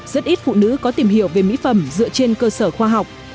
rất ít phụ nữ có tìm hiểu về mỹ phẩm dựa trên cơ sở khoa học